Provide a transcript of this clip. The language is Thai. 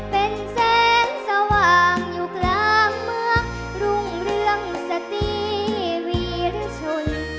เป็นแสงสว่างอยู่กลางเมืองรุ่งเรืองสติวีรชน